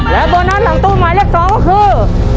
และโบนัสหลังตู้หมายเลข๒ก็คือ